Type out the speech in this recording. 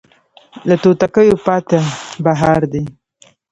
له توتکیو پاته بهار دی